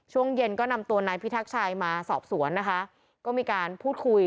ช่วงเย็นก็นำตัวนายพิทักษ์ชัยมาสอบสวนนะคะก็มีการพูดคุย